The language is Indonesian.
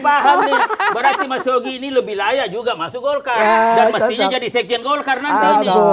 paham berarti mas jogini lebih layak juga masuk stg jadi studiai karena kalau ini k youtuber novels